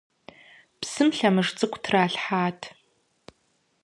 Псым лъэмыж цӏыкӏу тралъхьат.